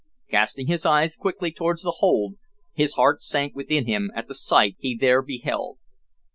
Casting his eyes quickly towards the hold, his heart sank within him at the sight he there beheld.